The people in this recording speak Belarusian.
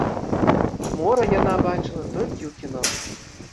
Мора яна бачыла толькі ў кіно.